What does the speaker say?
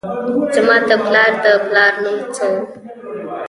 زما د پلار د پلار نوم څه و؟